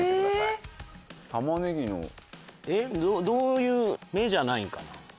どういう目じゃないんかな？